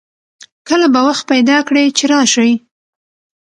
کله به وخت پیدا کړي چې راشئ